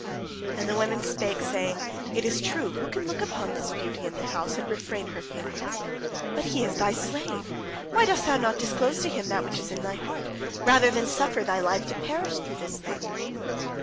And the women spake, saying: "It is true, who can look upon this beauty in the house, and refrain her feelings? But he is thy slave! Why dost thou not disclose to him that which is in thy heart, rather than suffer thy life to perish through this thing?"